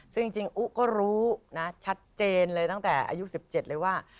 ซึ่งจริงอุ๊ก็รู้นะชัดเจนเลยตั้งแต่อายุ๑๗เลยว่า